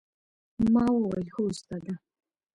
ما وويل هو استاده.